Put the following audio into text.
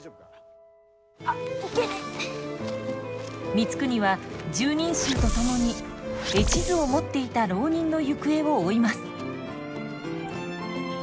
光圀は拾人衆と共に絵地図を持っていた浪人の行方を追います。